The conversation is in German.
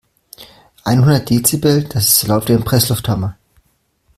Einhundert Dezibel, das ist so laut wie ein Presslufthammer.